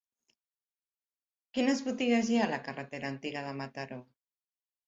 Quines botigues hi ha a la carretera Antiga de Mataró?